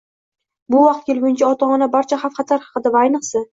Bu vaqt kelguncha ota-ona barcha xavf-xatar haqida va, ayniqsa